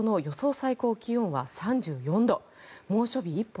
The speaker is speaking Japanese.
最高気温は３４度猛暑日一歩